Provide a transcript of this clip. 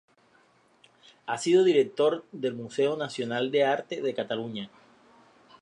Ha sido director del Museo Nacional de Arte de Cataluña.